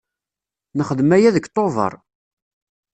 Nexdem aya deg Tubeṛ.